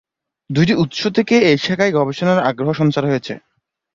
দুইটি উৎস থেকে এই শাখায় গবেষণার আগ্রহ সঞ্চার হয়েছে।